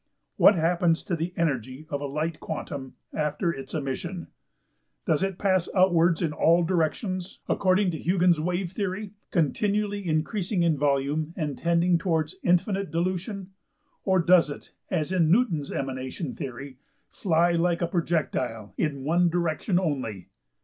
What happens to the energy of a light quantum after its emission? Does it pass outwards in all directions, according to Huygens's wave theory, continually increasing in volume and tending towards infinite dilution? Or does it, as in Newton's emanation theory, fly like a projectile in one direction only?